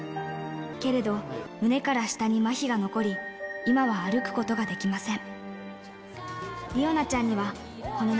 けれど、胸から下にまひが残り、今は歩くことができません。